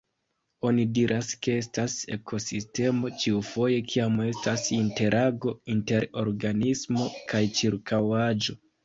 Oni diras, ke estas ekosistemo, ĉiufoje kiam estas interago inter organismo kaj ĉirkaŭaĵo.